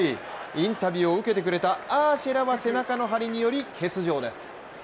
インタビューを受けてくれたアーシェラは背中の張りにより欠場です。